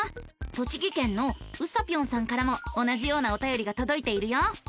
栃木県のうさぴょんさんからも同じようなおたよりがとどいているよ。